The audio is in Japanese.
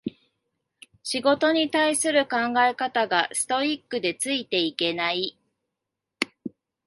仕事に対する考え方がストイックでついていけない